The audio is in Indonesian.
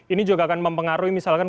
ini juga akan mempengaruhi misalkan